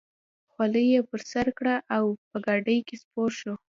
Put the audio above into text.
خولۍ یې پر سر کړه او په ګاډۍ کې سپور شو.